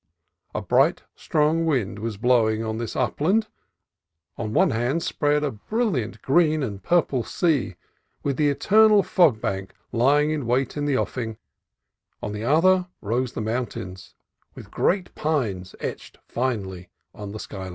A bright, strong wind was blowing on this upland ; on one hand spread a brilliant green and purple sea, with the eternal fog bank lying in wait in the offing; on the other rose the mountains, with great pines etched finely on the sky line.